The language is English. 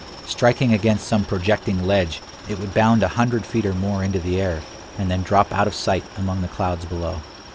Striking against some projecting ledge, it would bound a hundred feet or more into the air, and then drop out of sight among the clouds below.